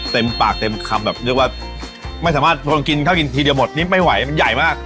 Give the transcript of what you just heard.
เต็มปากเต็มคำแบบเรียกว่าไม่สามารถทนกินข้าวกินทีเดียวหมดนี่ไม่ไหวมันใหญ่มาก